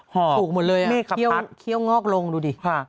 หอกเมฆพัศถูกหมดเลยเขี้ยวงอกลงดูดิ